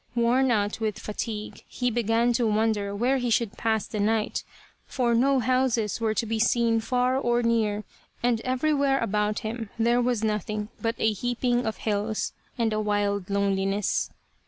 Worn out with fatigue, he began to wonder where he should pass the night, for no houses were to be seen far or near, and everywhere about him there was nothing but a heaping of hills and a wild loneliness.